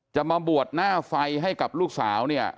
จะมาบวชหน้าไฟให้กับลูกสาวเนี่ย